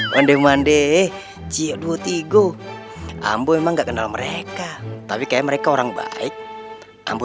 mandi mandi ciu dua puluh tiga ambo emang nggak kenal mereka tapi kayak mereka orang baik ambo